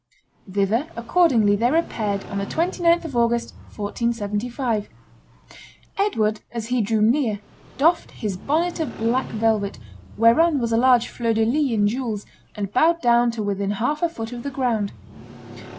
Thither, accordingly, they repaired, on the 29th of August, 1475. Edward, as he drew near, doffed "his bonnet of black velvet, whereon was a large fleur de lis in jewels, and bowed down to within half a foot of the ground."